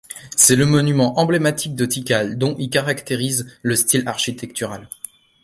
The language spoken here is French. C'est le monument emblématique de Tikal, dont il caractérise le style architectural.